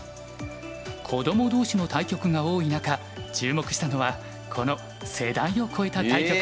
子供同士の対局が多い中注目したのはこの世代を超えた対局。